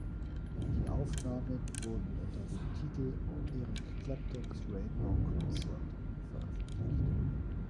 Die Aufnahmen wurden unter dem Titel "Eric Clapton’s Rainbow Concert" veröffentlicht.